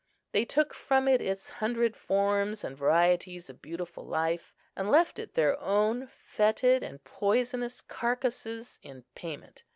They took from it its hundred forms and varieties of beautiful life, and left it their own fetid and poisonous carcases in payment.